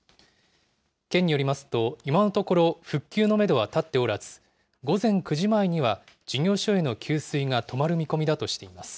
県によりますと、今のところ、復旧のメドは立っておらず、午前９時前には事業所への給水が止まる見込みだとしています。